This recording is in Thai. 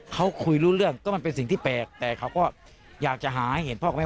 เขาคุยรู้เรื่องก็มันเป็นสิ่งที่แปลกแต่เขาก็อยากจะหาให้เห็นพ่อกับแม่